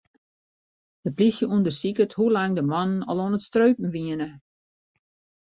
De plysje ûndersiket hoe lang de mannen al oan it streupen wiene.